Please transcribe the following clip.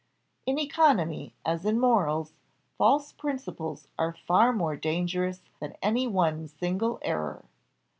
In economy, as in morals, false principles are far more dangerous than any one single error.